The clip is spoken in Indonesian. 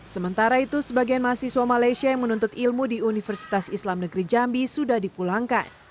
sementara itu sebagian mahasiswa malaysia yang menuntut ilmu di universitas islam negeri jambi sudah dipulangkan